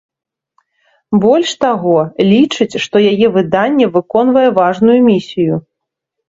Больш таго, лічыць, што яе выданне выконвае важную місію.